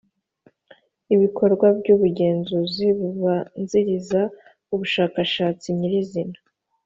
ibikorwa by ubugenzuzi bubanziriza ubushakashatsi nyirizina